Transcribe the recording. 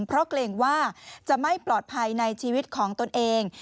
เพราะเกรงว่าจะไม่ปลอดภัยในชีวิตของตนเอง